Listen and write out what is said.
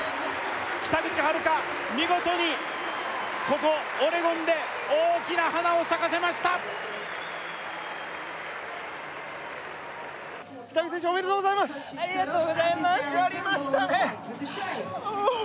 北口榛花見事にここオレゴンで大きな花を咲かせましたおめでとうございますありがとうございますやりましたね